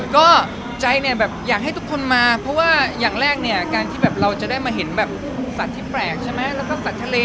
ก็ใจเนี่ยแบบอยากให้ทุกคนมาเพราะว่าอย่างแรกเนี่ยการที่แบบเราจะได้มาเห็นแบบสัตว์ที่แปลกใช่ไหมแล้วก็สัตว์ทะเล